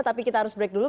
tapi kita harus break dulu